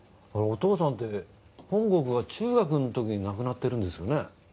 お父さんって本郷くんが中学んときに亡くなってるんですよね？